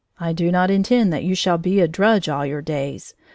I do not intend that you shall be a drudge all your days.